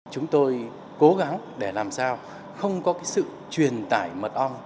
chúng tôi cố gắng để làm sao không có sự truyền tải mật ong